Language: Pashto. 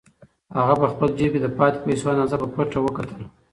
هغه په خپل جېب کې د پاتې پیسو اندازه په پټه وکتله.